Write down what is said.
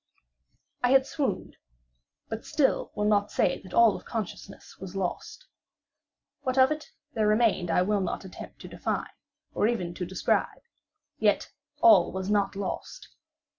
I had swooned; but still will not say that all of consciousness was lost. What of it there remained I will not attempt to define, or even to describe; yet all was not lost.